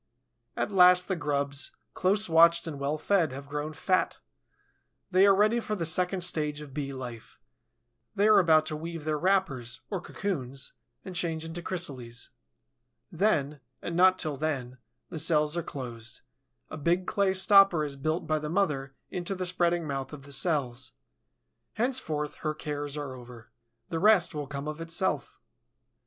At last the grubs, close watched and well fed, have grown fat; they are ready for the second stage of Bee life. They are about to weave their wrappers, or cocoons, and change into chrysales. Then, and not till then, the cells are closed; a big clay stopper is built by the mother into the spreading mouth of the cells. Henceforth her cares are over. The rest will come of itself.